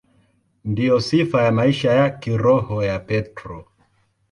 Ndiyo sifa ya maisha ya kiroho ya Petro.